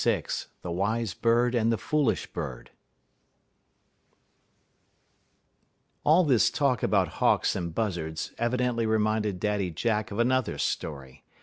LXVI THE WISE BIRD AND THE FOOLISH BIRD All this talk about Hawks and Buzzards evidently reminded Daddy Jack of another story.